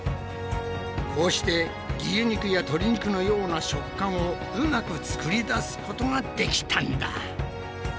こうして牛肉やとり肉のような食感をうまく作り出すことができたんだ。